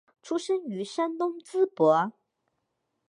出生于山东淄博。